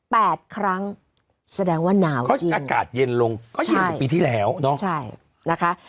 แปดครั้งแซนว่าหนาวจริงอากาศเย็นลงใช่ปีที่แล้วเนอะใช่นะคะ